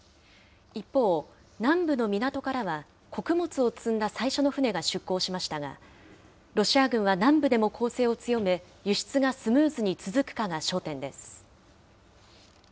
一方、南部の港からは穀物を積んだ最初の船が出港しましたが、ロシア軍は南部でも攻勢を強め、輸出がスムーズに続くかが焦点です。